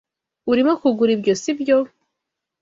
Urimo kugura ibyo, sibyo?